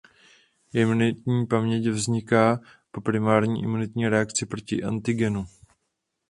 Imunitní paměť vzniká po primární imunitní reakci proti antigenu.